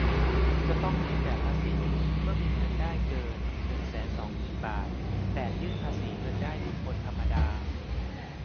จะต้องยื่นแบบภาษีเมื่อมีเงินได้เกิน หนึ่งแสนสองหมื่น บาท แบบยื่นภาษีเงินได้บุคคลธรรมดา